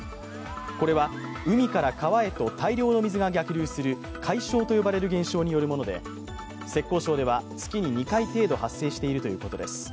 これは海から川へと大量の水が逆流するかいしょうと呼ばれる現象によるもので浙江省では月に２回程度発生しているということです。